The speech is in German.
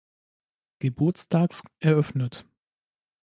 Geburtstags eröffnet.